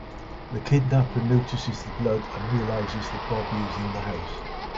The kidnapper notices the blood and realizes that Bobby is in the house.